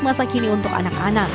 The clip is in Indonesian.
masa kini untuk anak anak